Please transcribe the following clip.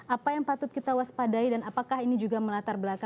apa yang patut kita waspadai dan apakah ini juga melatar belakang